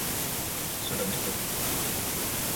Cela m'étonne.